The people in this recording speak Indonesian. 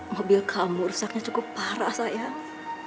mobil kamu rusaknya cukup parah sayang